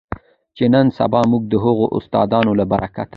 چې نن سبا مونږ د هغو استادانو له برکته